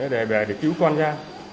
để bè để cứu con ra